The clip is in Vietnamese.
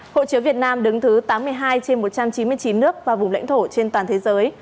hộ chiếu việt nam đứng thứ tám mươi hai trên một trăm chín mươi chín nước và vùng lãnh thổ trên toàn thế giới